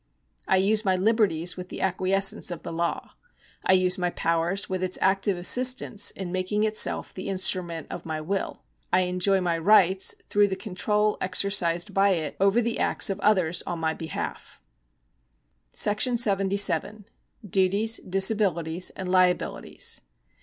I use my liberties with the acquiescence of the law ; I use my powers with its active assistance in making itself the instrument of my will ; I enjoy my rights through the control exercised by it over the acts of others on my behalf.^ ^§ 77. Duties, Disabilities, and Liabilities.